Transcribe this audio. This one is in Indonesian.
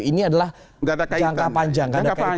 ini adalah jangka panjang